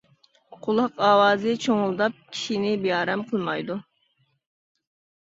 قۇلاق ئاۋازى چۇڭۇلداپ كىشىنى بىئارام قىلمايدۇ.